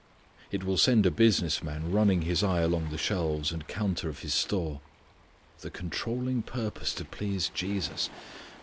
It will send a business man running his eye along the shelves and counter of his store. "The controlling purpose to please Jesus